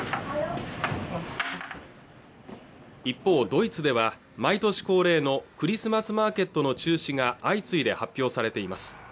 一方ドイツでは毎年恒例のクリスマスマーケットの中止が相次いで発表されています